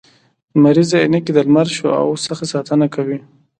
لمریزي عینکي د لمر د شعاوو څخه ساتنه کوي